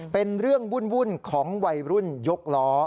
เป็นเรื่องวุ่นของวัยรุ่นยกล้อ